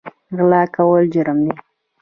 غلا کول جرم دی